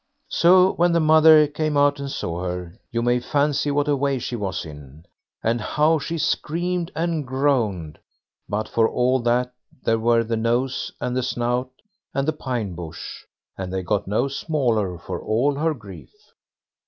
So, when the mother came out and saw her, you may fancy what a way she was in, and how she screamed and groaned; but, for all that, there were the nose and the snout and the pine bush, and they got no smaller for all her grief.